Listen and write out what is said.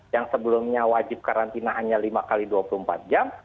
yang sebelumnya wajib karantina hanya lima x dua puluh empat jam